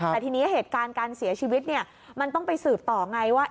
แต่ทีนี้เหตุการณ์การเสียชีวิตเนี่ยมันต้องไปสืบต่อไงว่า